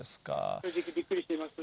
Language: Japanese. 正直、びっくりしています。